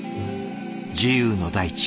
「自由の大地」